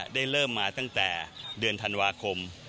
เริ่มมาตั้งแต่เดือนธันวาคม